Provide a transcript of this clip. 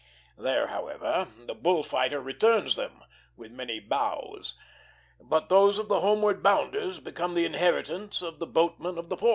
There, however, the bull fighter returns them, with many bows; but those of the homeward bounders become the inheritance of the boatmen of the port.